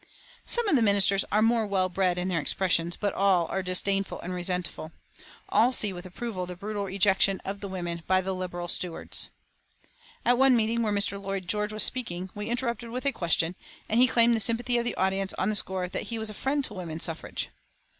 Some of the ministers are more well bred in their expressions, but all are disdainful and resentful. All see with approval the brutal ejection of the women by the Liberal stewards. At one meeting where Mr. Lloyd George was speaking, we interrupted with a question, and he claimed the sympathy of the audience on the score that he was a friend to woman suffrage.